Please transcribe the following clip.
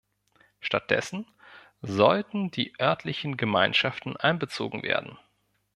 Stattdessen sollten die örtlichen Gemeinschaften einbezogen werden.